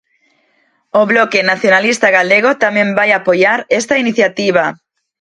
O Bloque Nacionalista Galego tamén vai apoiar esta iniciativa.